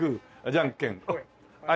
じゃんけんホイ！